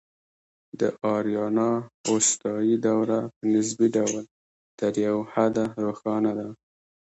د آریانا اوستایي دوره په نسبي ډول تر یو حده روښانه ده